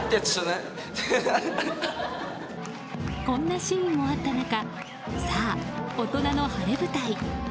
こんなシーンもあった中さあ、大人の晴れ舞台。